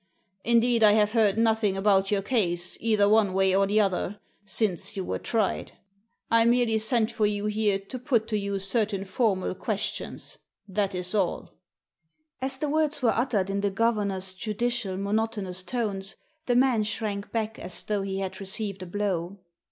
Indeed, I have heard nothing about your case, either one way or the other, since you were tried. I merely sent for you here to put to you certain formal questions — that is all" As the words were uttered in the governor's judicial, monotonous tones the man shrank back as though he had received a blow.